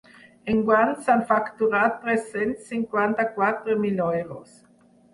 Enguany s’han facturat tres-cents cinquanta-quatre mil euros.